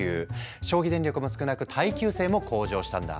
消費電力も少なく耐久性も向上したんだ。